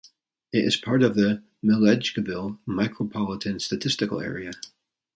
It is part of the Milledgeville Micropolitan Statistical Area.